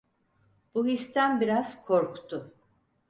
Bu histen biraz korktu.